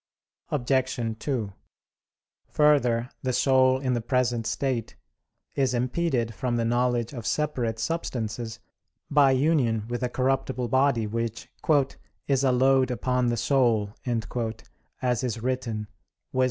Obj. 2: Further, the soul in the present state is impeded from the knowledge of separate substances by union with a corruptible body which "is a load upon the soul," as is written Wis.